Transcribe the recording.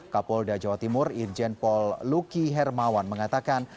kapolda jawa timur irjen pol luki hermawan mengatakan